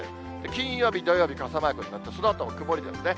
金曜日、土曜日傘マークになって、そのあと曇りですね。